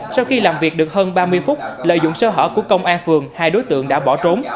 sau khi làm việc được hơn ba mươi phút lợi dụng sơ hở của công an phường hai đối tượng đã bỏ trốn